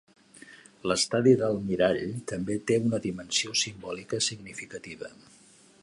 L'estadi del mirall també té una dimensió simbòlica significativa.